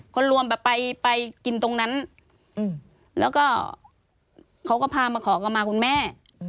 คนรวมแบบไปกินตรงนั้นแล้วก็เขาก็พามาขอกลับมาคุณแม่